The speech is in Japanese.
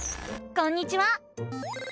こんにちは！